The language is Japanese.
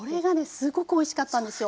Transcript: すごくおいしかったんですよ。